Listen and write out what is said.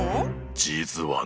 実はね。